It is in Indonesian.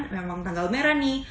memang tanggal merah nih